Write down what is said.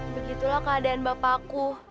begitulah keadaan bapakku